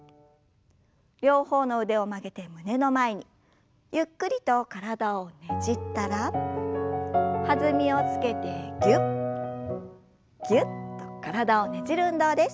両方の腕を曲げて胸の前にゆっくりと体をねじったら弾みをつけてぎゅっぎゅっと体をねじる運動です。